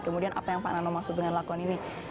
kemudian apa yang pak nano maksud dengan lakuan ini